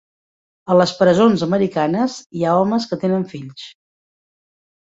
A les presons americanes hi ha homes que tenen fills.